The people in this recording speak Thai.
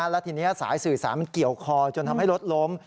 แล้วทีนี้สายสื่อสารมันเกี่ยวคอจนทำให้รถล้ม